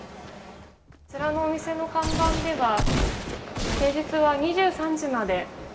こちらのお店の看板では平日は２３時まで。